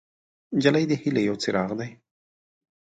نجلۍ د هیلې یو څراغ دی.